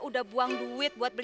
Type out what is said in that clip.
udang undangnya juga shek